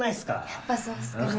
やっぱそうっすかね。